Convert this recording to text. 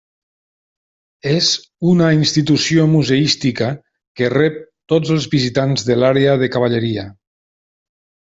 És una institució museística que rep tots els visitants de l'àrea de Cavalleria.